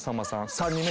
３人目？